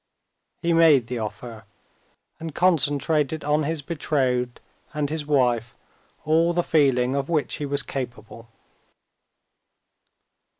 He made the offer, and concentrated on his betrothed and his wife all the feeling of which he was capable.